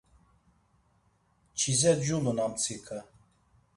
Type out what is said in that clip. Çize culun amtsika.